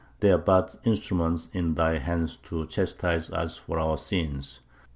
They are but instruments in Thy hands to chastise us for our sins!'